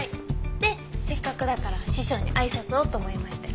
でせっかくだから師匠に挨拶をと思いまして。